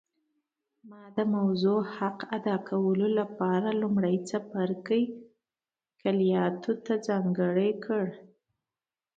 ما د موضوع حق ادا کولو لپاره لومړی څپرکی کلیاتو ته ځانګړی کړ